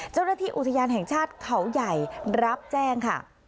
เจ้าหน้าที่อุทยานแห่งชาติเขาใหญ่รับแจ้งค่ะ